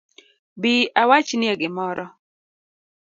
Bi awachnie gimoro